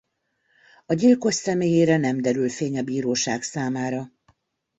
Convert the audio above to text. A gyilkos személyére nem derül fény a bíróság számára.